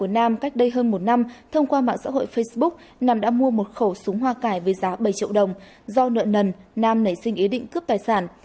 nam đã mua một khẩu súng hoa cải với giá bảy triệu đồng do nợ nần nam nảy sinh ý định cướp tài sản